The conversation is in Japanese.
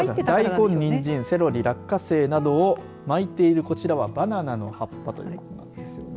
大根、にんじん、セロリ落花生などを巻いているこちらはバナナの葉っぱということです。